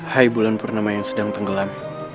hai bulan purnama yang sedang tenggelam